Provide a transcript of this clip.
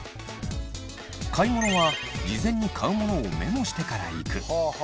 買い物は事前に買うものをメモしてから行く。